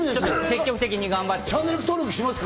積極的に頑張っていきます。